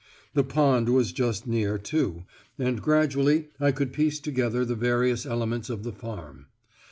The pond was just near, too, and gradually I could piece together the various elements of the farm.